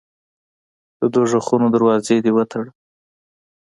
د دوږخونو دروازې دي وتړه.